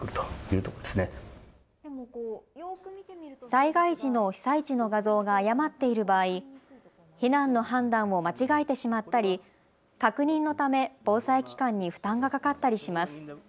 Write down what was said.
災害時の被災地の画像が誤っている場合、避難の判断を間違えてしまったり確認のため防災機関に負担がかかったりします。